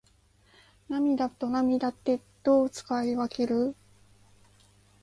涙と泪ってどう使い分ける？